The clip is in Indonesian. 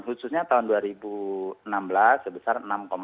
khususnya tahun dua ribu enam belas sebesar enam tujuh